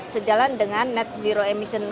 sejalan dengan net zero emission